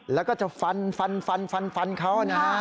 แล้วก็จะฟันเขานะฮะ